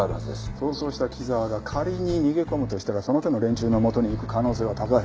逃走した木沢が仮に逃げ込むとしたらその手の連中の元に行く可能性は高い。